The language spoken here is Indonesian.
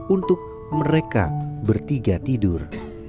untuk mereka bertiga tidur